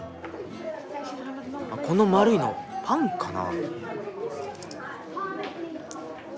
この円いのパンかな？